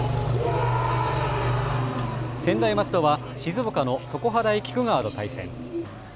専大松戸は静岡の常葉大菊川と対戦。